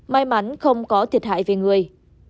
may mắn không có thiệt hại về người